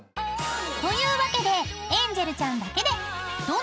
［というわけでエンジェルちゃんだけで］